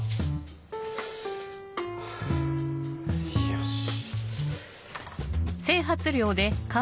よし。